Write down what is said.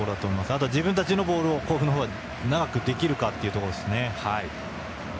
あとは自分たちのボールを甲府は長くできるかというところですね。